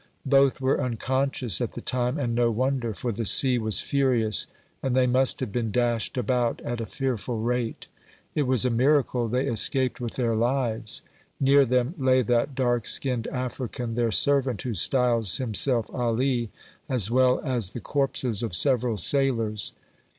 Both were unconscious at the time, and no wonder, for the sea was furious and they must have been dashed about at a fearful rate. It was a miracle they escaped with their lives. Near them lay that dark skinned African, their servant, who styles himself Ali, as well as the corpses of several sailors.